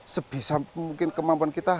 sebisa mungkin kemampuan kita